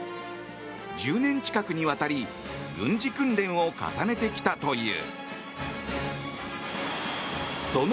１０年近くにわたり軍事訓練を重ねてきたという。